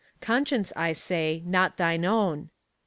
Conscience, I say, not thine own.